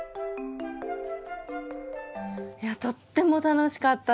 いやとっても楽しかったです。